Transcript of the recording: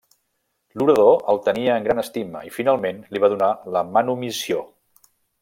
L'orador el tenia en gran estima i finalment li va donar la manumissió.